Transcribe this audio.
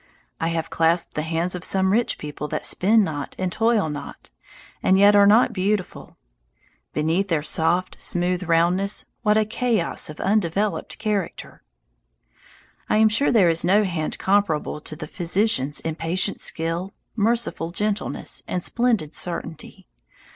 I have clasped the hands of some rich people that spin not and toil not, and yet are not beautiful. Beneath their soft, smooth roundness what a chaos of undeveloped character! I am sure there is no hand comparable to the physician's in patient skill, merciful gentleness and splendid certainty.